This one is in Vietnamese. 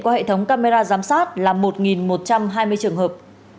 qua hệ thống camera giám sát là một một trăm hai mươi trường hợp